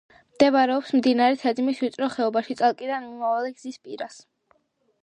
მდებარეობს მდინარე თეძმის ვიწრო ხეობაში, წალკიდან მიმავალი გზის პირას.